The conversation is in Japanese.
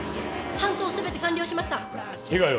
搬送全て完了しました被害は？